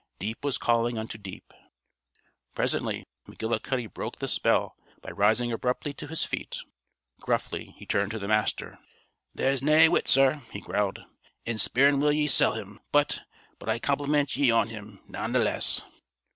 Deep was calling unto deep. Presently McGillicuddy broke the spell by rising abruptly to his feet. Gruffly he turned to the Master. "There's na wit, sir," he growled, "in speirin' will ye sell him. But but I compliment ye on him, nanetheless."